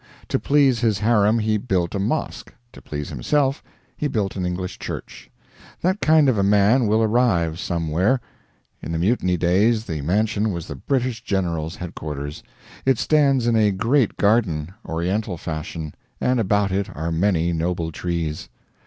To please his harem he built a mosque; to please himself he built an English church. That kind of a man will arrive, somewhere. In the Mutiny days the mansion was the British general's headquarters. It stands in a great garden oriental fashion and about it are many noble trees.